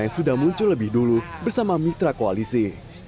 yang sudah muncul lebih dulu bersama mitra koalisi